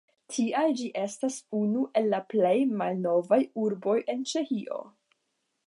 Tial ĝi estas unu el la plej malnovaj urboj en Ĉeĥio.